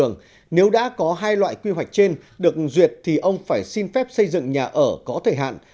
nếu đã có hai loại quy hoạch trên được duyệt thì ông phải xin phép xây dựng nhà ở có thời hạn